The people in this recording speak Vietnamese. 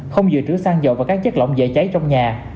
không dự trữ xăng dầu và các chất lỏng dễ cháy trong nhà